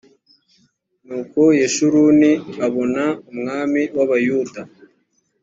nuko yeshuruni abona umwami wabayuda.